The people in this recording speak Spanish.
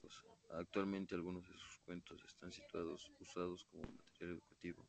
Actualmente, alguno de sus cuentos están siendo usados como material educativo.